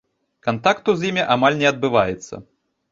Кантакту з імі амаль не адбываецца.